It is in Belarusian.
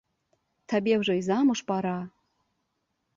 Табе ўжо і замуж пара.